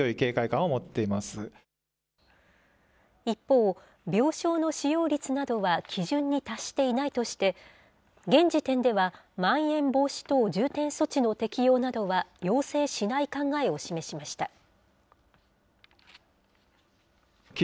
一方、病床の使用率などは基準に達していないとして、現時点では、まん延防止等重点措置の適用などは要請しない考えを示しました。